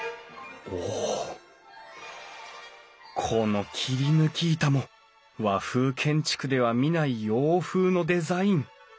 この切り抜き板も和風建築では見ない洋風のデザイン。